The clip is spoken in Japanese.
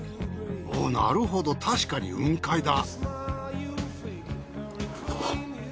なるほど確かに雲海だ。